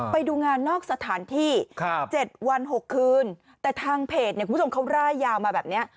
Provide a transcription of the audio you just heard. ไปดูงานนอกสถานที่๗วัน๖คืนแต่ทางเพจเนี่ยคุณผู้ชมเขาร่ายยาวมาแบบนี้